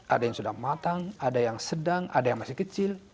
ada yang sudah matang ada yang sedang ada yang masih kecil